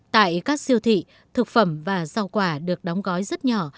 tại các siêu thị thực phẩm và rau quả được đóng gói rất nhỏ